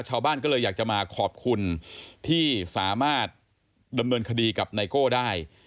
ชาวบ้านก็เลยอยากจะมาขอบคุณที่สามารถดำเนินคดีกับไนโก้ได้